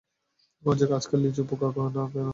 আজকাল লিচুতে পোকা থাকে না, তার মানে কিছু একটা করা হয়।